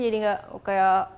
jadi gak kayak